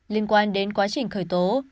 liên quan đến quá trình khởi tố